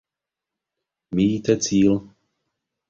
Míjíte cíl.